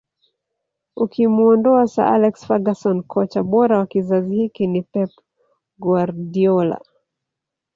Ukimuondoa Sir Alex Ferguson kocha bora wa kizazi hiki ni Pep Guardiola